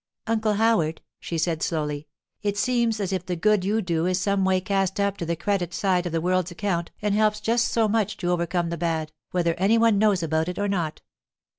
'Uncle Howard,' she said slowly, 'it seems as if the good you do is some way cast up to the credit side of the world's account and helps just so much to overcome the bad, whether any one knows about it or not.